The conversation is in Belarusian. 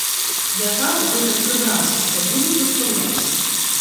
Я там, гэтак прыбраўшыся, буду прыстаўляць.